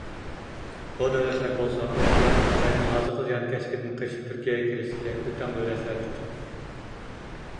بۇ دۆلەتلەر بولسا، ئۇيغۇرلارنىڭ خىتاينىڭ ھازىرقى زىيانكەشلىكىدىن قېچىپ تۈركىيەگە كېلىشتىكى ئۆتەڭ دۆلەتلەردۇر.